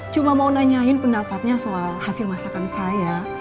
cuma mau nanyain pendapatnya soal hasil masakan saya